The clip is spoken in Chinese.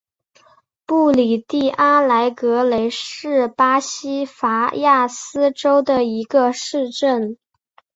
布里蒂阿莱格雷是巴西戈亚斯州的一个市镇。